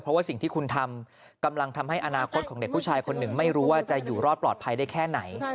เพราะว่าสิ่งที่คุณทำกำลังทำให้อนาคตของเด็กผู้ชายคนหนึ่งไม่รู้ว่าจะอยู่รอดปลอดภัยได้แค่ไหน